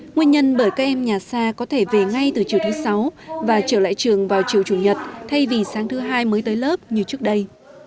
nguyên nhân bởi các em nhà xa có thể về ngay từ chiều thứ sáu và trở lại trường vào chiều chủ nhật thay vì sáng thứ hai mới tới lớp như trước đây